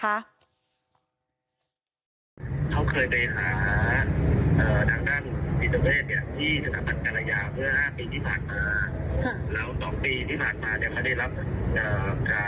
เขาเคยไปหาดังจิตแพทย์ที่สถาปันกรยา